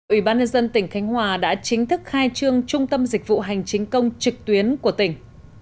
ủy ban nhân dân tỉnh khánh hòa đã chính thức khai trương trung tâm dịch vụ hành chính công trực tuyến của tỉnh